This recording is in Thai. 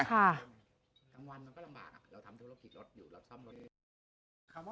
จะต่อมาคุยกับไหน